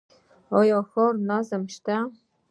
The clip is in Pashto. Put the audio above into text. آیا ښاري نظم شته؟